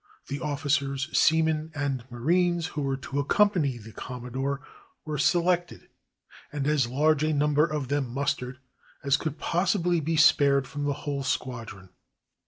The officers, seamen, and marines who were to accompany the Commodore were selected, and as large a number of them mustered as could possibly be spared from the whole squadron.